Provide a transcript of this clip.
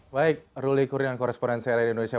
baik ruli kuri dengan koresponen crn indonesia